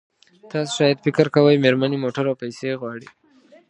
تاسو شاید فکر کوئ مېرمنې موټر او پیسې غواړي.